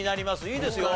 いいですよ。